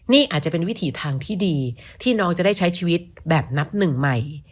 นี่อาจจะเป็นวิถีทางที่ดีที่น้องจะได้ใช้ชีวิตแบบนับหนึ่งใหม่